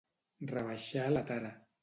Rebaixar la tara.